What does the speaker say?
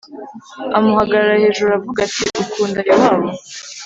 amuhagarara hejuru aravuga ati Ukunda Yowabu